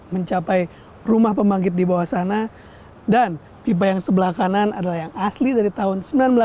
mencapai rumah pembangkit di bawah sana dan pipa yang sebelah kanan adalah yang asli dari tahun seribu sembilan ratus sembilan puluh